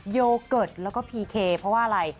โยเกิร์ตแล้วก็พีเคเพราะว่าอะไร